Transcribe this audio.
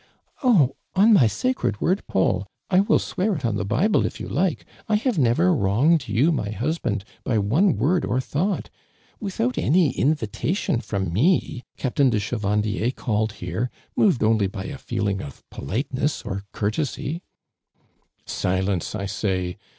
1 ••••li!on my sacred word, Paul, I will swe.ir it on the Bible, if you like, I have j never wionged you, my liusband, by one woi d or thouglit. Without any invitjition from me. CaptJiin lie Ohevan<lier called here, moved only by a feeling of politeness or courtesy," ••Silence. I say!